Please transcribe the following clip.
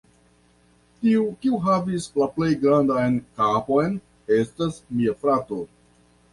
Tiu, kiu havis la plej grandan kapon, estas mia frato.